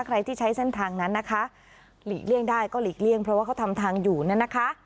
ใครที่ใช้เส้นทางนั้นนะคะหลีกเลี่ยงได้ก็หลีกเลี่ยงเพราะว่าเขาทำทางอยู่เนี่ยนะคะ